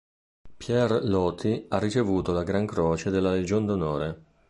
Pierre Loti ha ricevuto la Gran Croce della Legion d'Onore.